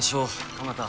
蒲田